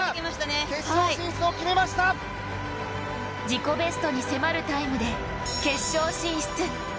自己ベストに迫るタイムで決勝進出。